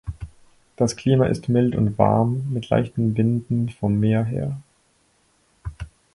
Das Klima ist mild und warm, mit leichten Winden vom Meer her.